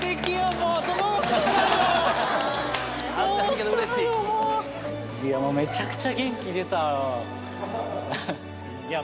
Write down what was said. もういやもうめちゃくちゃ元気出たいや